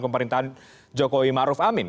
pemerintahan jokowi maruf amin